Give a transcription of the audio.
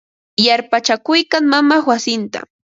Yarpachakuykan wamaq wasinta.